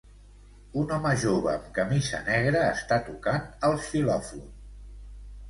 Un home jove amb camisa negra està tocant el xilòfon.